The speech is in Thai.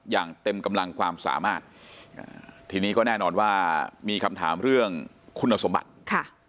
อย่างเต็มกำลังความสามารถอ่าทีนี้ก็แน่นอนว่ามีคำถามเรื่องคุณสมบัติค่ะ